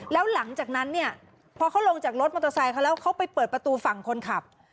แล้วหลังจากนั้นเนี่ยพอเขาลงจากรถมอเตอร์ไซค์เขาแล้วเขาไปเปิดประตูฝั่งคนขับ